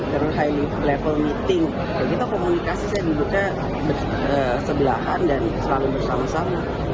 terhadap meeting kita komunikasi sebelahan dan selalu bersama sama